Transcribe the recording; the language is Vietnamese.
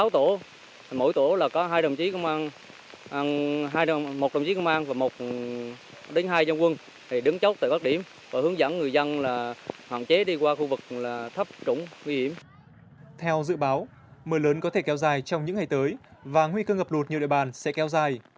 theo dự báo mưa lớn có thể kéo dài trong những ngày tới và nguy cơ ngập lụt nhiều địa bàn sẽ kéo dài